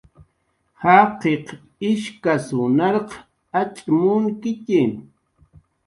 Jaqiq ishkasw narq acx' munkitxi